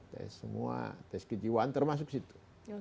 tes semua tes kejiwaan termasuk situ